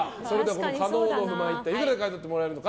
この加納の不満いくらで買い取ってもらえるのか。